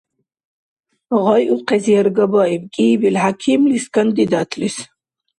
Гъайухъес яргабаиб кӀиибил хӀякимлис-кандидатлис.